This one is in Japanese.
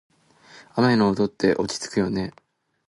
雨の音って落ち着くよね。